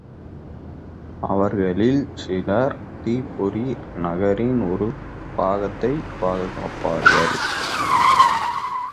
அவர்களில் சிலர் திப்பெரரி நகரின் ஒரு பாகத்தைப் பாதுகாப்பார்கள்.